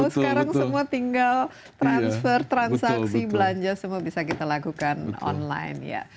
sekarang semua tinggal transfer transaksi belanja semua bisa kita lakukan online